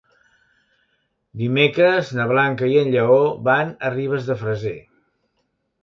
Dimecres na Blanca i en Lleó van a Ribes de Freser.